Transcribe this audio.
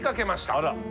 あら。